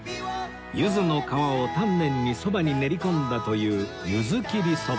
ゆずの皮を丹念にそばに練り込んだというゆず切りそば